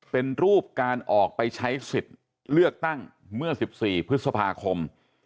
เป็นรูปการออกไปใช้สิทธิ์เลือกตั้งเมื่อ๑๔พฤษภาคม